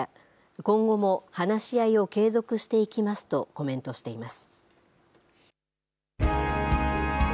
今後も話し合いを継続していきますとコメントしています。